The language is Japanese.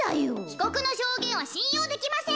ひこくのしょうげんはしんようできません！